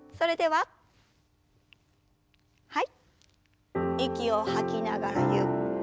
はい。